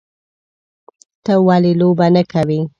_ته ولې لوبه نه کوې؟